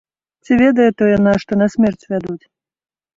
Ці ведае то яна, што на смерць вядуць?